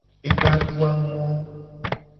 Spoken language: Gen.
Ebe a adu a ngo.